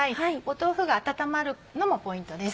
豆腐が温まるのもポイントです。